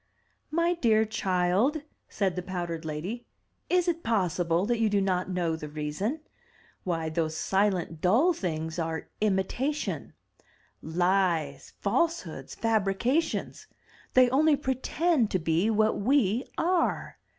'* "My dear child,*' said the powdered lady, "is it possible that you do not know the reason? Why, those silent, dull things are imitation; lies, falsehoods, fabrications! They only pretend to be what we are!